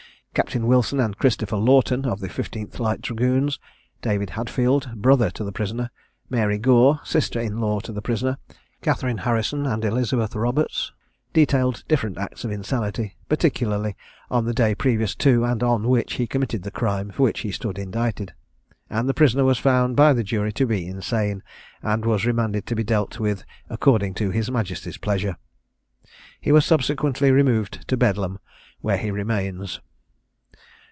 Captain Wilson and Christopher Lawton, of the 15th light dragoons; David Hadfield, brother to the prisoner; Mary Gore, sister in law to the prisoner; Catharine Harrison, and Elizabeth Roberts, detailed different acts of insanity, particularly on the day previous to and on which he committed the crime for which he stood indicted: and the prisoner was found by the jury to be insane, and was remanded to be dealt with according to his Majesty's pleasure. He was subsequently removed to Bedlam, where he remains.